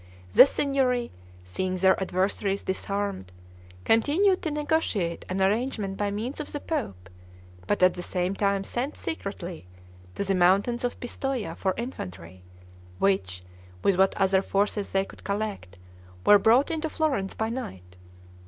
The Signory, seeing their adversaries disarmed, continued to negotiate an arrangement by means of the pope; but at the same time sent secretly to the mountains of Pistoia for infantry, which, with what other forces they could collect, were brought into Florence by night.